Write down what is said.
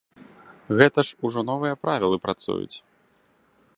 Гэта ж ужо новыя правілы працуюць.